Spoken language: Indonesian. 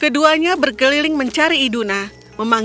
keduanya berkeliling mencari iduna memanggilnya tapi tidak menemukannya